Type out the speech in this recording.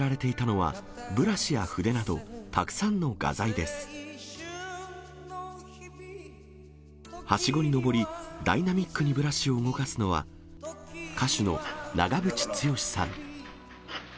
はしごに登り、ダイナミックにブラシを動かすのは、歌手の長渕剛さん。